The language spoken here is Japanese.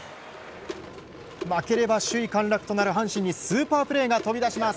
負ければ首位陥落となる首位、阪神にスーパープレーが飛び出します。